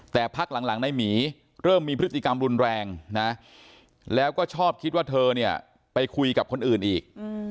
แต่พักหลังนายหมีเริ่มมีพฤติกรรมรุนแรงนะแล้วก็ชอบคิดว่าเธอเนี่ยไปคุยกับคนอื่นอีก